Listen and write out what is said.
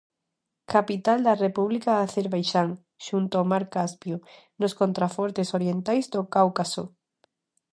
Capital da República de Acerbaixán, xunto ao mar Caspio, nos contrafortes orientais do Cáucaso.